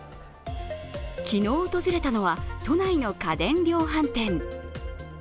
昨日訪れたのは都内の家電量販店。